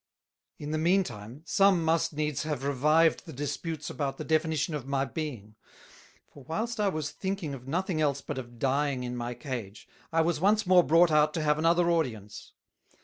[Sidenote: Moon Not the Moon] In the mean time, some must needs have revived the Disputes about the Definition of my Being; for whilst I was thinking of nothing else but of dying in my Cage, I was once more brought out to have another Audience.